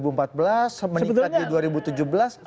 meningkat ke dua ribu tujuh belas